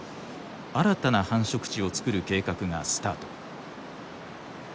新たな繁殖地をつくる計画がスタート。